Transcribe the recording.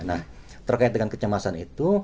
nah terkait dengan kecemasan itu